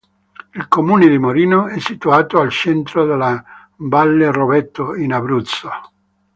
Il comune di Morino è situato al centro della valle Roveto, in Abruzzo.